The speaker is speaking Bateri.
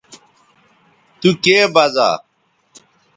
تو کے بزا